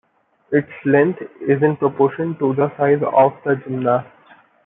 Its length is in proportion to the size of the gymnast.